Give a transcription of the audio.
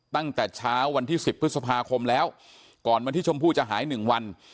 ตั้งแต่เช้าวันที่๑๐พฤษภาคมแล้วก่อนวันที่ชมพู่จะหาย๑วัน